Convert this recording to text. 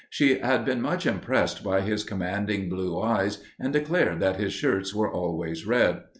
She had been much impressed by his commanding blue eyes and declared that his shirts were always red.